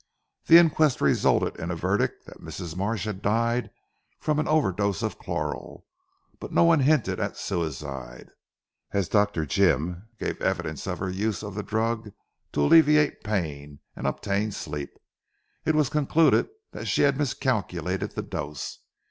The inquest resulted in a verdict that Mrs. Marsh had died from an overdose of chloral, but no one hinted at suicide. As Dr. Jim gave evidence of her use of the drug to alleviate pain and obtain sleep, it was concluded that she had miscalculated the dose.